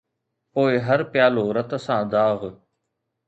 پوءِ هر پيالو رت سان داغ